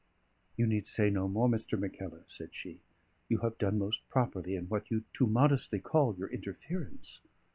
"You need say no more, Mr. Mackellar," said she. "You have done most properly in what you too modestly call your interference.